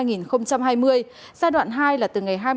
giai đoạn hai là từ ngày hai mươi tháng một mươi năm hai nghìn hai mươi